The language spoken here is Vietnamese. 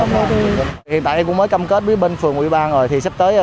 lồng đề đường hiện tại em cũng mới cam kết với bên phường ủy ban rồi thì sắp tới